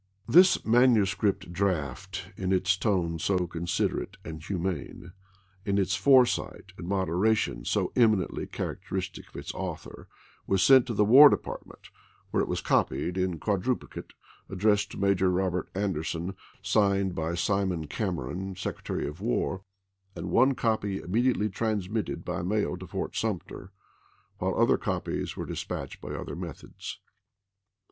This manuscript draft, in its tone so considerate and humane, in its foresight and moderation so eminently characteristic of its author, was sent to the War Department, where it was copied in quad ruplicate, addressed to Major Robert Anderson, Anderson sigucd by Slmou Camcrou, Secretary of War, and ApriSei! one copy immediately transmitted by mail to Fort L, p. 294! ■ Sumter, while otber copies were dispatched by other methods.